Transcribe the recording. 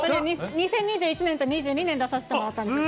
２０２１年と２２年に出させてもらったんですけど。